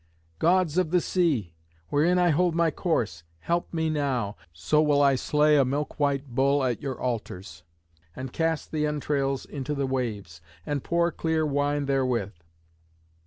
"Gods of the sea, wherein I hold my course, help me now, so will I slay a milk white bull at your altars, and cast the entrails into the waves, and pour clear wine therewith."